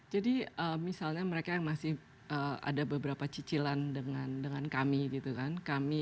jadi misalnya mereka yang masih ada beberapa cicilan dengan kami gitu kan